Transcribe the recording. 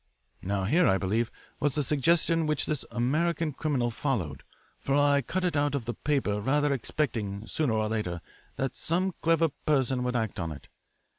"Now here, I believe, was the suggestion which this American criminal followed, for I cut it out of the paper rather expecting sooner or later that some clever person would act on it.